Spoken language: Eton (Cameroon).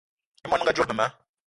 I món menga dzolo mema